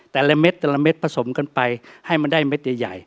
แต่ละเม็ดแต่ละเม็ดผสมกันไปให้มันได้เม็ดใหญ่